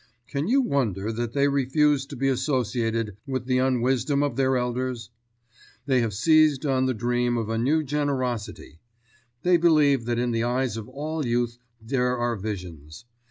Can you wonder that they refuse to be associated with the unwisdom of their elders? They have seized on the dream of a new generosity. They believe that in the eyes of all youth there are visions.